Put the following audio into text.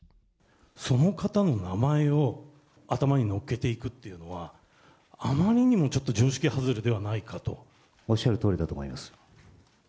その方の名前を頭にのっけていくというのは、あまりにもちょおっしゃるとおりだと思います。